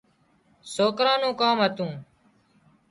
سوڪران نُون ڪام هتون